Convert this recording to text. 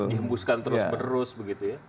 dihembuskan terus menerus begitu ya